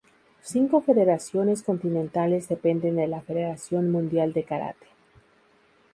Cinco federaciones continentales dependen de la Federación Mundial de Karate.